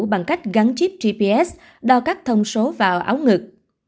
bằng cách gắn chip gps đo các thông số vào áo ngực